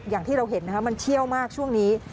อย่างที่เราเห็นนะคะมันเชี่ยวมากช่วงนี้